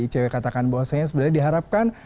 icw katakan bahwasanya sebenarnya diharapkan